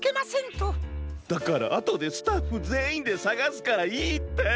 だからあとでスタッフぜんいんでさがすからいいって！